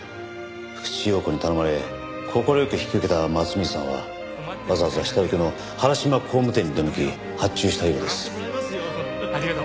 福地陽子に頼まれ快く引き受けた松水さんはわざわざ下請けの原島工務店に出向き発注したようです。